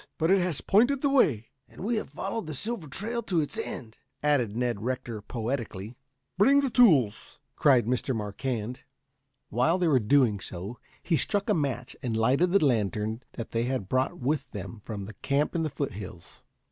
"But it has pointed the way." "And we have followed the silver trail to its end," added Ned Rector poetically. "Bring the tools!" cried Mr. Marquand. While they were doing so, he struck a match and lighted the lantern that they had brought with them from their camp in the foothills.